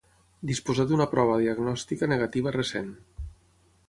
Disposar d’una prova diagnòstica negativa recent.